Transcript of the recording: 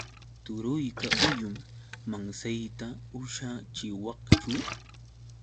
Turuyqa huyum. ¿Mansayta ushachiwaqchu?